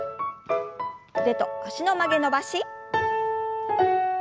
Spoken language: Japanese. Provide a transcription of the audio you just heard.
腕と脚の曲げ伸ばし。